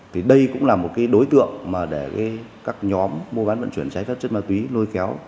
thì đây cũng là một cái đối tượng mà để các nhóm mua bán vận chuyển trái phép chất ma túy lôi kéo